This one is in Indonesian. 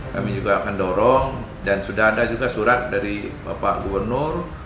kami juga akan dorong dan sudah ada juga surat dari bapak gubernur